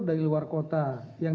dari luar kota yang